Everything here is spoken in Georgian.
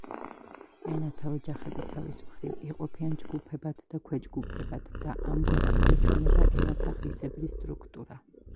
ენათა ოჯახები თავის მხრივ იყოფიან ჯგუფებად და ქვეჯგუფებად და ამგვარად იქმნება ენათა ხისებრი სტრუქტურა.